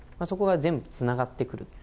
そこが全部つながってくる。